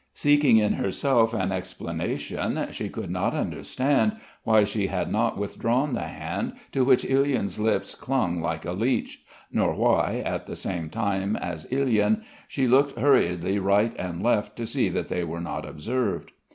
Seeking in herself an explanation she could not understand why she had not withdrawn the hand to which Ilyin's lips clung like a leech, nor why, at the same time as Ilyin, she looked hurriedly right and left to see that they were not observed.